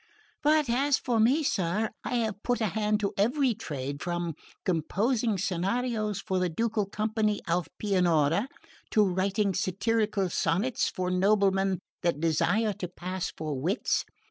But as for me, sir, I have put a hand to every trade, from composing scenarios for the ducal company of Pianura, to writing satirical sonnets for noblemen that desire to pass for wits.